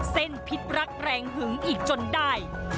พิษรักแรงหึงอีกจนได้